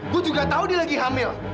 gue juga tahu dia lagi hamil